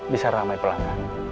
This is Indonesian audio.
bisa ramai pelanggan